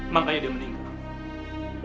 makanya dia meninggal